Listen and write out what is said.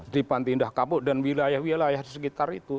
di pantindah kapok dan wilayah wilayah di sekitar itu